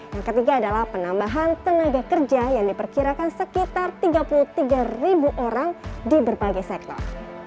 yang ketiga adalah penambahan tenaga kerja yang diperkirakan sekitar tiga puluh tiga ribu orang di berbagai sektor